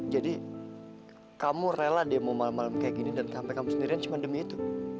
jadi kamu rela demo malem malem kayak gini dan sampai kamu sendirian cuma demi itu